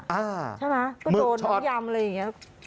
ใช่ไหมก็โดนน้องยำอะไรอย่างนี้